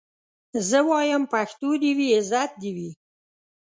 زه وايم پښتو دي وي عزت دي وي